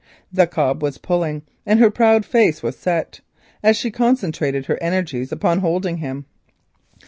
The cob was pulling, and her proud face was set, as she concentrated her energies upon holding him.